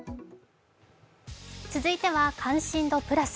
続いては関心度プラス。